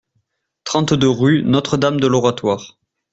trente-deux rue Notre-Dame de l'Oratoire